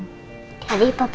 jadi papa gak inget kita dong ma